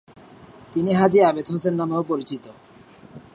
তিনি হাজী আবেদ হোসেন নামেও পরিচিত।